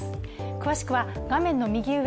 詳しくは画面の右上